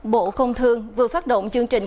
bộ công thương vừa phát động chương trình